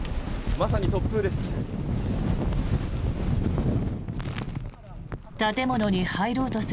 まさに突風です。